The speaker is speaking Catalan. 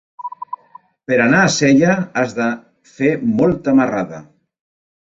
Per anar a Sella has de fer molta marrada.